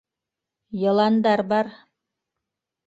Йыландар бар.